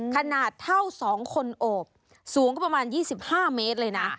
ขนาดเท่า๒คนโอบสูงก็ประมาณ๒๕เมตรเลยนะ